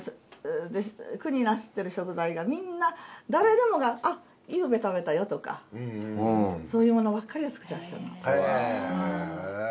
句になさってる食材がみんな誰でもが「あっゆうべ食べたよ」とかそういうものばっかりを作ってらっしゃるの。